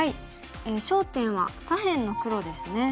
焦点は左辺の黒ですね。